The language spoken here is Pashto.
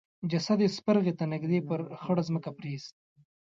جسد يې سپرغي ته نږدې پر خړه ځمکه پريېست.